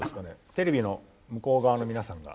テレビの向こう側の皆さんが。